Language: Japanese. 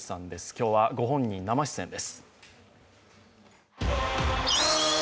今日はご本人生出演です。